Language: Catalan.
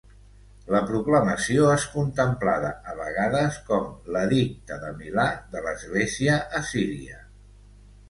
La proclamació és contemplada a vegades com "l'Edicte de Milà de l'Església Assíria".